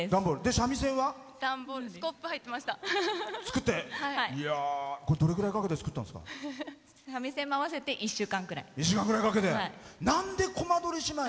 三味線も合わせて１週間ぐらい。